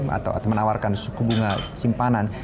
atau menawarkan suku bunga simpanan